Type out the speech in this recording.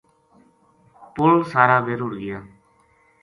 پُل سارا بے رڑھ گیا